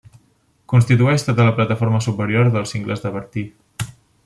Constitueix tota la plataforma superior dels Cingles de Bertí.